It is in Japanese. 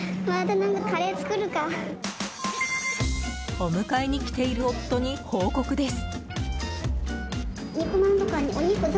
お迎えに来ている夫に報告です。